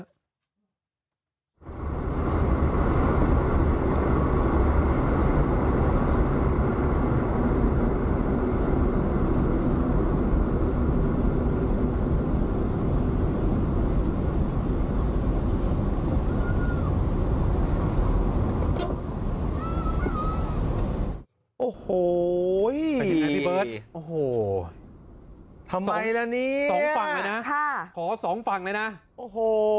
โอ้โหโอ้โหทำไมละเนี้ยสองฝั่งเลยนะค่ะขอสองฝั่งเลยนะโอ้โห